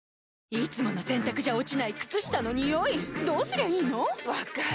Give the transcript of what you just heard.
いつもの洗たくじゃ落ちない靴下のニオイどうすりゃいいの⁉分かる。